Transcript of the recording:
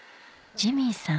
ジミーさん